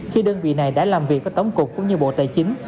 khi đơn vị này đã làm việc với tổng cục cũng như bộ tài chính